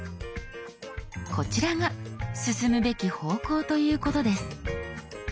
こちらが進むべき方向ということです。